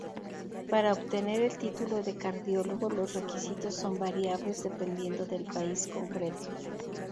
Para obtener el título de cardiólogo los requisitos son variables dependiendo del país concreto.